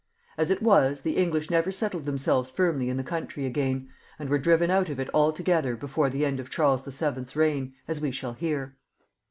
As it was, the English never settled themselves firmly in the country again, and were driven out of it altogether before the end of Charles VIL's reign, as we shall hear.